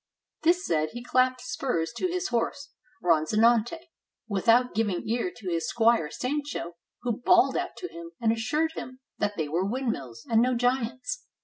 This said, he clapped spurs to his horse Rozinante, without giving ear to his squire Sancho, who bawled out to him, and assured him that they were windmills, and no giants.